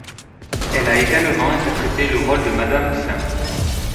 Elle a également interprété le rôle de Madame St.